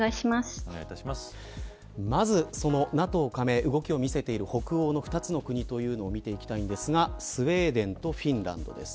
まず、ＮＡＴＯ加盟、動きを見せている北欧の２つの国というのを見ていきたいんですがスウェーデンとフィンランドです。